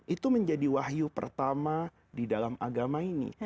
itu menjadi wahyu pertama di dalam agama ini